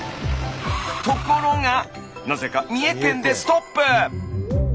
ところがなぜか三重県でストップ！